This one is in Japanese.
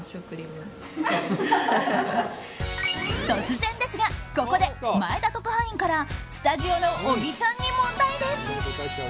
突然ですがここで前田特派員からスタジオの小木さんに問題です。